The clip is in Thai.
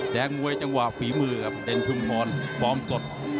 แดงมวยจังหวะฝีมือกับเด่นทำของพร้อมสด